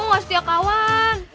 tau gak setia kawan